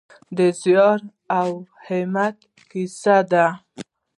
د زیار او همت کیسه ده.